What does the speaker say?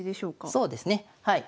そうですねはい。